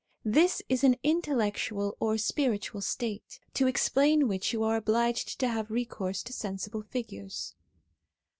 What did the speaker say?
This is an intellectual or spiritual state, to explain which you are obliged to have recourse to sensible figures.